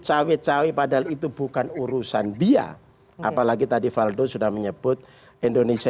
cawe cawe padahal itu bukan urusan bia apalagi tadi valdo sudah menyebut indonesia